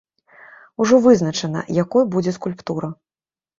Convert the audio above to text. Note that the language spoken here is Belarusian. Ужо вызначана, якой будзе скульптура.